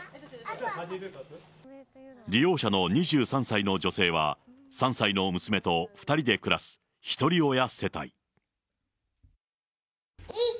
利用者の２３歳の女性は、３歳の娘と２人で暮らすひとり親世帯。